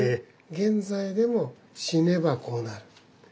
現在でも死ねばこうなる。